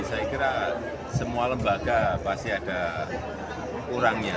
saya kira semua lembaga pasti ada kurangnya